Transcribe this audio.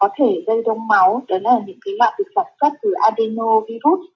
vì covid một mươi chín có một số loại có thể dây đông máu đó là những loại bệnh phẩm sắc từ adenovirus